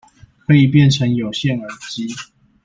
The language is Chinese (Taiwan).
可以變成有線耳機